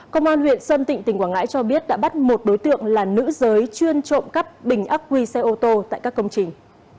công an huyện sơn tịnh tỉnh quảng ngãi cho biết đã bắt một đối tượng là nữ giới chuyên trộm cắp bình ác quy xe ô tô tại các công trình